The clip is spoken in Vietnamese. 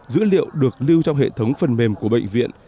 dữ liệu được lưu trong hệ thống phần mềm của bệnh viện